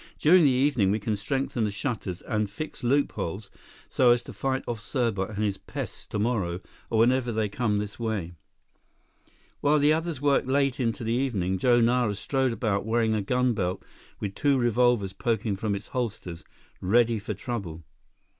"During the evening, we can strengthen the shutters and fix loopholes so as to fight off Serbot and his pests tomorrow or whenever they come this way." While the others worked late into the evening, Joe Nara strode about wearing a gun belt with two revolvers poking from its holsters, ready for trouble.